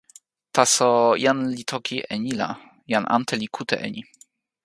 taso, jan li toki e ni la, jan ante li kute e ni.